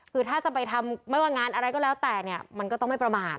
คือถ้าจะไปทำไม่ว่างานอะไรก็แล้วแต่เนี่ยมันก็ต้องไม่ประมาท